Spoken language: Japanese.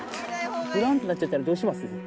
ふらーんとなっちゃったら、どうします？